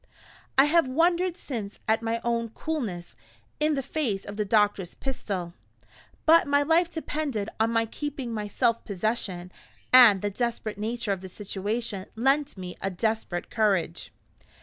I have wondered since at my own coolness in the face of the doctor's pistol; but my life depended on my keeping my self possession, and the desperate nature of the situation lent me a desperate courage.